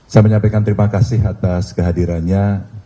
saya menyampaikan terima kasih atas kehadirannya